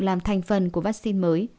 làm thành phần của vaccine mới